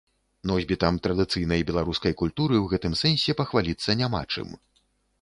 Носьбітам традыцыйнай беларускай культуры ў гэтым сэнсе пахваліцца няма чым.